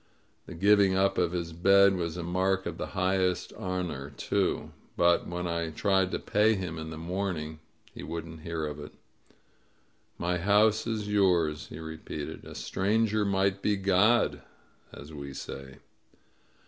The giving up of his bed was a mark of the highest honor, too. But when I tried to pay him in the morning he wouldn't hear of it. "My house is youBS," he repeated. *A stranger might be God,' as we say."